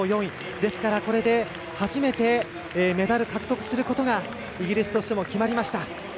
ですからこれで初めてメダル獲得することがイギリスとしても決まりました。